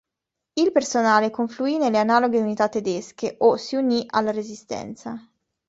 Il personale confluì nelle analoghe unità tedesche o si unì alla resistenza.